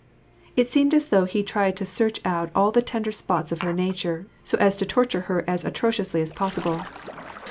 It seemed as though he tried to search out all the tender spots of her nature, so as to torture her as atrociously as possible.